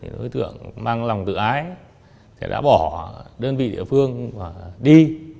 đối tượng mang lòng tự ái đã bỏ đơn vị địa phương đi